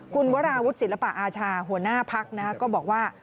คุณวราวุฒิศิลปะอาชาหัวหน้าพักก็บอกว่า